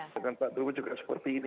dengan pak jokowi juga seperti ini